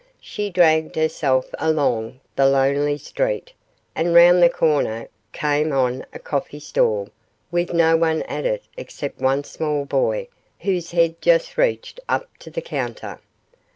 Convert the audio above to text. She dragged herself along the lonely street, and round the corner came on a coffee stall with no one at it except one small boy whose head just reached up to the counter.